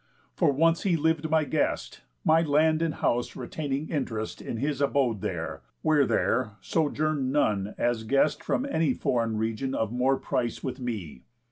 For once he liv'd my guest; My land and house retaining interest In his abode there; where there sojourn'd none As guest from any foreign region Of more price with me.